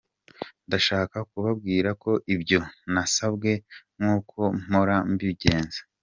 Ndashaka kubabwira ko ibyo nasabwe, nkuko mpora mbigenza, nzabishyiramo umutima n’ubushobozi bwanjye bwose.